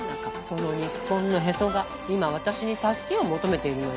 その日本のへそが今私に助けを求めているのよ。